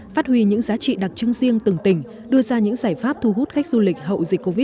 phát huy những giá trị đặc trưng riêng từng tỉnh đưa ra những giải pháp thu hút khách du lịch hậu dịch covid một mươi chín